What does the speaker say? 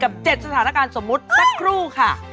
๗สถานการณ์สมมุติสักครู่ค่ะ